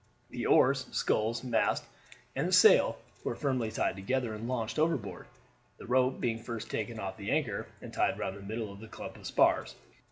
The oars, sculls, mast, and sail were firmly tied together and launched overboard, the rope being first taken off the anchor and tied round the middle of the clump of spars.